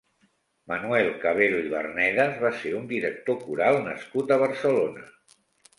Manuel Cabero i Vernedas va ser un director coral nascut a Barcelona.